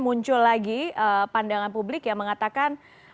muncul lagi pandangan publik yang mengatakan